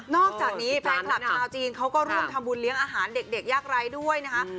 อกจากนี้แฟนคลับชาวจีนเขาก็ร่วมทำบุญเลี้ยงอาหารเด็กยากไร้ด้วยนะคะ